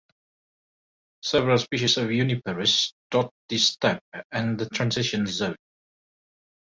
Several species of "Juniperus" dot the steppe and the transition zone.